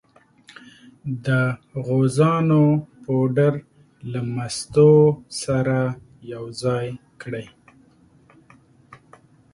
د غوزانو پوډر له مستو سره یو ځای کړئ.